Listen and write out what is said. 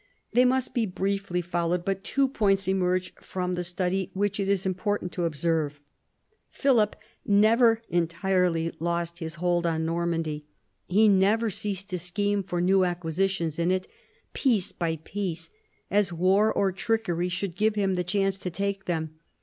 They must be briefly followed, but two points emerge from the study which it is important to observe. Philip never entirely lost his hold on Normandy ; he never ceased to scheme for new acquisitions in it, piece by piece, as war or trickery should give him the chance to take them.